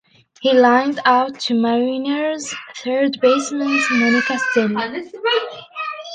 He lined out to Mariners third baseman Manny Castillo.